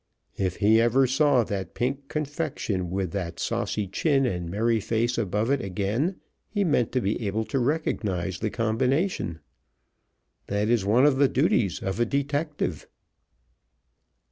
If he ever saw that pink confection with that saucy chin and merry face above it again he meant to be able to recognize the combination. That is one of the duties of a detective.